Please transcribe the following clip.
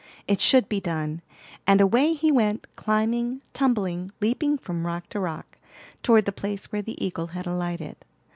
It should be done! And away he went, climbing, tumbling, leaping from rock to rock, toward the place where the eagle had alighted.